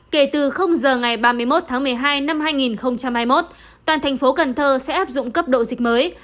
kể từ giờ ngày ba mươi một tháng một mươi hai năm hai nghìn hai mươi một toàn thành phố cần thơ sẽ áp dụng cấp độ dịch mới